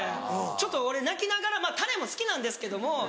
ちょっと俺泣きながらまぁタレも好きなんですけども。